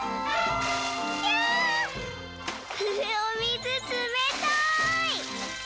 おみずつめたい！